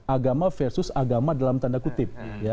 agama versus agama dalam tanda kutip